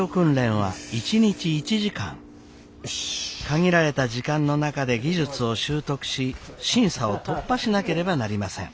限られた時間の中で技術を習得し審査を突破しなければなりません。